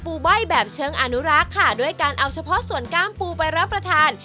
ใบ้แบบเชิงอนุรักษ์ค่ะด้วยการเอาเฉพาะส่วนกล้ามปูไปรับประทาน